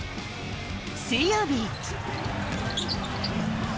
水曜日。